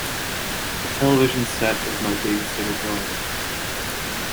The television set was my babysitter growing up.